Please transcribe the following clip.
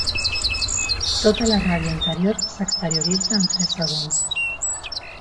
Tota la ràbia interior s'exterioritza en tres segons.